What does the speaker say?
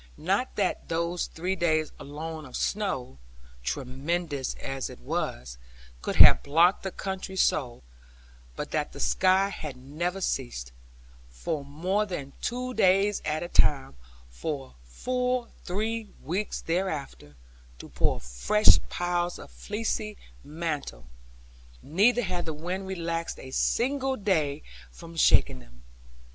Not that those three days alone of snow (tremendous as it was) could have blocked the country so; but that the sky had never ceased, for more than two days at a time, for full three weeks thereafter, to pour fresh piles of fleecy mantle; neither had the wind relaxed a single day from shaking them.